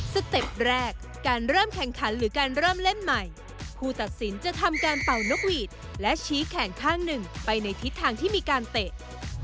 เต็ปแรกการเริ่มแข่งขันหรือการเริ่มเล่นใหม่ผู้ตัดสินจะทำการเป่านกหวีดและชี้แขนข้างหนึ่งไปในทิศทางที่มีการเตะ